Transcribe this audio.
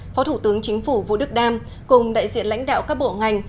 phó thủ tướng chính phủ vũ đức đam cùng đại diện lãnh đạo các bộ ngành